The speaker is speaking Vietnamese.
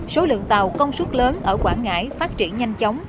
số lượng tàu công suất lớn ở quảng ngãi phát triển nhanh chóng